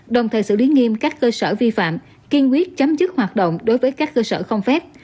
đồng thời xử lý nghiêm các cơ sở vi phạm kiên quyết chấm dứt hoạt động đối với các cơ sở không phép